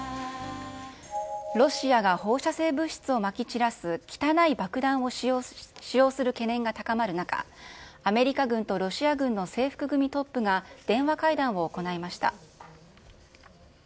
ロシアが放射性物質をまき散らす汚い爆弾を使用する懸念が高まる中、アメリカ軍とロシア軍の制服組トップが電話会談を行いました。